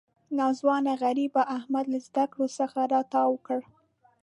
ناځوانه غریبۍ احمد له زده کړو څخه را تاو کړ.